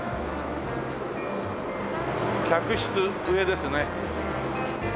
客室上ですね。